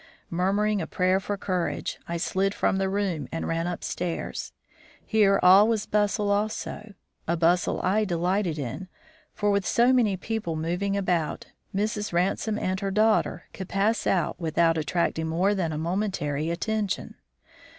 Murmuring a prayer for courage, I slid from the room and ran up stairs. Here all was bustle also a bustle I delighted in, for, with so many people moving about, Mrs. Ransome and her daughter could pass out without attracting more than a momentary attention.